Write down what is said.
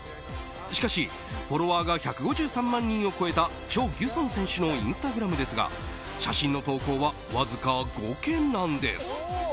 しかし、フォロワーが１５３万人を超えたチョ・ギュソン選手のインスタグラムですが写真の投稿はわずか５件なんです。